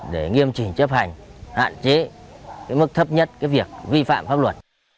để nghiêm chỉnh chấp hành hạn chế mức thấp nhất việc vi phạm pháp luật